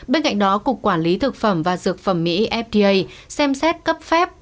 bên cạnh đó cục quản lý thực phẩm và dược phẩm mỹ fda xem xét cấp phép